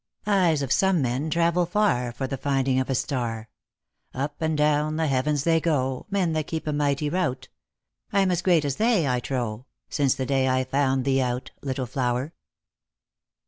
•Eyes of some men travel far For the finding of a star ; Up and down the heavens they go, Men that keep a mighty rout ! I'm as great as they, I trow, Since the dav I found thee out, Little Flower!"